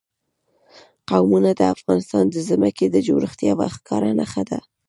قومونه د افغانستان د ځمکې د جوړښت یوه ښکاره نښه ده.